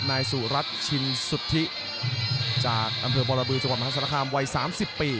นายสุรัสชินสุธิจากอำเภอบอลาบืจังหวัดมหัศนธรรมวัย๓๐ปี